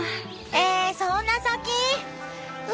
ええそんな先？